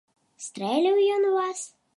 Стрэліў ён у вас?